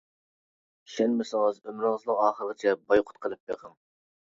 ئىشەنمىسىڭىز ئۆمرىڭىزنىڭ ئاخىرىغىچە بايقۇت قىلىپ بېقىڭ.